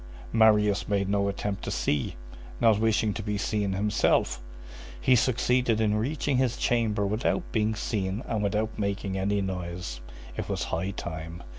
Marius made no attempt to see, not wishing to be seen himself. He succeeded in reaching his chamber without being seen and without making any noise. It was high time.